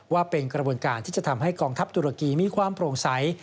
ว่าเป็นกระบวนการที่จะทำให้กองทัพตุรกีมีความโปร่งใส